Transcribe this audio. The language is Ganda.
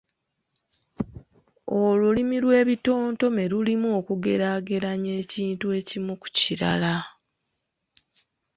Olulimi lw'ebitontome lulimu okugeraageranya ekintu ekimu ku kirala.